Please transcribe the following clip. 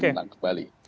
dan menang kembali